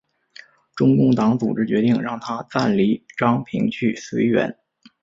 中共党组织决定让他暂离阜平去绥远。